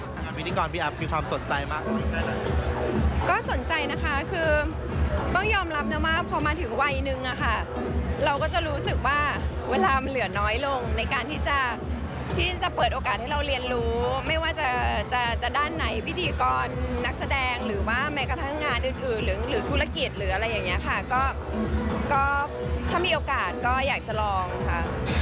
งานพิธีกรพี่อัพมีความสนใจมากกว่าก็สนใจนะคะคือต้องยอมรับนะว่าพอมาถึงวัยนึงอะค่ะเราก็จะรู้สึกว่าเวลามันเหลือน้อยลงในการที่จะที่จะเปิดโอกาสให้เราเรียนรู้ไม่ว่าจะจะด้านไหนพิธีกรนักแสดงหรือว่าแม้กระทั่งงานอื่นอื่นหรือธุรกิจหรืออะไรอย่างเงี้ยค่ะก็ถ้ามีโอกาสก็อยากจะลองค่ะ